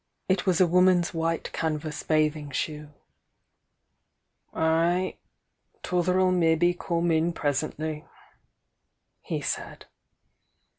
It was a woman's white canvas bathing dioe. "Ay! 'Tother'U mebbe come in presently," he said.